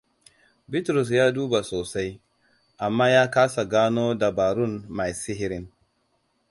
Bitrus ya duba sosai, amma ya kasa gano dabarun mai sihirin.